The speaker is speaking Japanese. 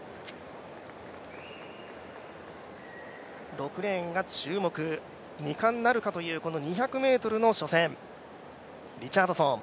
６レーンが注目、２冠なるかというこの２００ｍの初戦、リチャードソン。